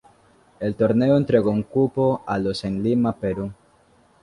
El torneo entregó un cupo a los en Lima, Perú.